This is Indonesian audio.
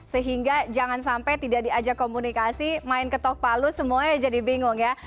sehingga jangan sampai tidak diajak komunikasi main ketok palu semuanya jadi bingung ya